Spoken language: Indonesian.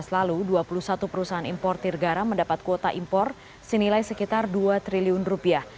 dua ribu delapan belas lalu dua puluh satu perusahaan impor tir garam mendapat kuota impor senilai sekitar dua triliun rupiah